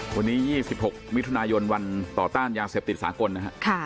วันนี้๒๖มิถุนายนวันต่อต้านยาเสพติดสากลนะครับ